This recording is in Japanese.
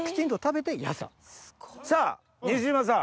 さぁ西島さん